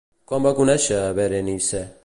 Quan va conèixer Berenice?